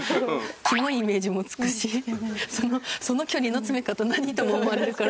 キモいイメージもつくしその距離の詰め方何？とも思われるから。